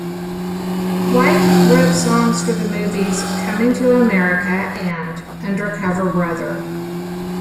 White wrote songs for the movies "Coming to America" and "Undercover Brother".